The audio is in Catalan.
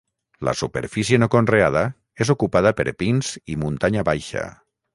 La superfície no conreada és ocupada per pins i muntanya baixa.